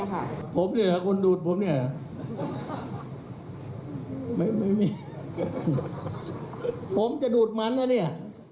ค่ะผมเนี่ยคนดูดผมเนี่ยไม่มีผมจะดูดมันแล้วเนี่ย